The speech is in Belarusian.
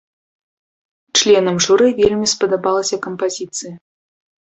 Членам журы вельмі спадабалася кампазіцыя.